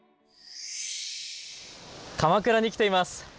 鎌倉に来ています。